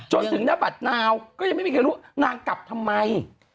จนถึงหน้าบัตรนาวก็ยังไม่มีใครรู้นางกลับทำไม